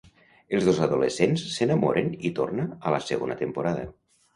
Els dos adolescents s'enamoren i torna a la segona temporada.